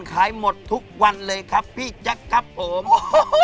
ขายหมดทุกวันเลยครับพี่แจ๊คครับผม